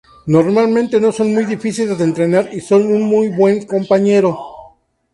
Normalmente no son muy difíciles de entrenar y son un muy buen compañero.